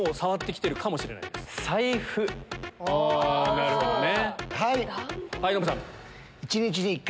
なるほどね。